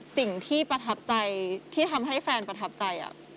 ประทับใจที่ทำให้แฟนประทับใจ